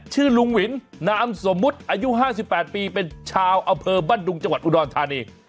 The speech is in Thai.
ชื่อลุงวินนามสมมุติอายุ๕๘ปีเป็นชาวอำเภอบ้านดุงจังหวัดอุดรธานี